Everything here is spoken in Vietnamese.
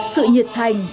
sự nhiệt thành